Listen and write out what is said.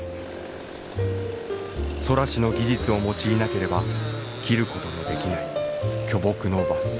空師の技術を用いなければ切ることのできない巨木の伐採。